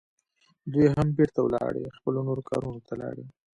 دوی هم بیرته ولاړې، خپلو نورو کارونو ته لاړې.